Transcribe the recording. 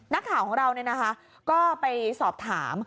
นักข่าวของเราเนี่ยนะคะก็ไปสอบถาม